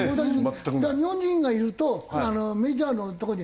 だから日本人がいるとメジャーのところに。